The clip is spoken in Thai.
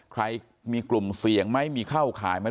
ใครมีกลุ่มเสี่ยงไหมมีเข้าข่ายไหม